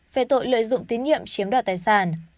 về tội lợi dụng tín nhiệm chiếm đoạt tài sản